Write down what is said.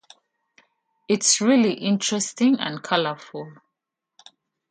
It's really interesting and colorful.